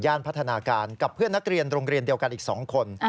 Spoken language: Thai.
พัฒนาการกับเพื่อนนักเรียนโรงเรียนเดียวกันอีก๒คน